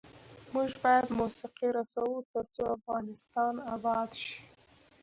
موږ باید موسیقي رسوو ، ترڅو افغانستان اباد شي.